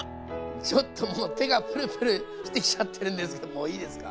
ちょっともう手がプルプルしてきちゃってるんですけどもういいですか。